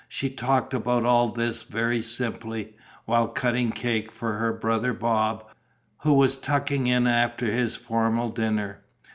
She talked about all this very simply, while cutting cake for her brother Bob, who was tucking in after his formal dinner.